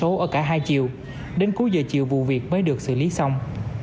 số ở cả hai chiều đến cuối giờ chiều vụ việc mới được xử lý xong